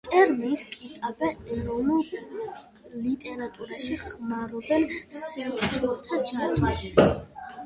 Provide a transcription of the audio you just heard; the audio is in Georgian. ტერმინს „კიტაბე“ ევროპულ ლიტერატურაში ხმარობენ „სელჩუკთა ჯაჭვში“.